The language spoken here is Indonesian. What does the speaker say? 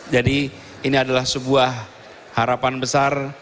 jadi ini adalah sebuah harapan besar